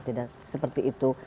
tidak seperti itu